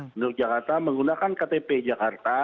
penduduk jakarta menggunakan ktp jakarta